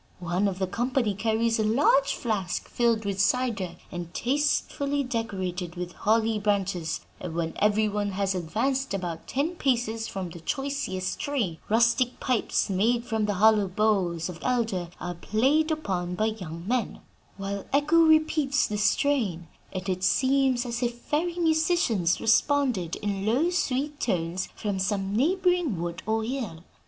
One of the company carries a large flask filled with cider and tastefully decorated with holly branches; and when every one has advanced about ten paces from the choicest tree, rustic pipes made from the hollow boughs of elder are played upon by young men, while Echo repeats the strain, and it seems as if fairy musicians responded in low, sweet tones from some neighboring wood or hill.